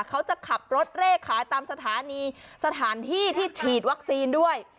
เขาจะขับรถเร่ขายตามสถานีสถานที่ที่ฉีดวัคซีนด้วย